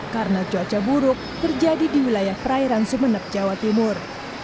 karena cuaca buruk terjadi di wilayah perairan sumeneb jawa timur